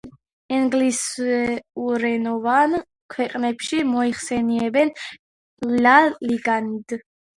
ინგლისურენოვან ქვეყნებში მოიხსენიებენ ლა ლიგად.